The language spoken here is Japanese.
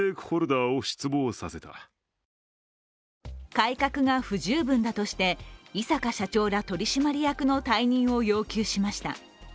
改革が不十分だとして井阪社長ら取締役の退任を要求しました。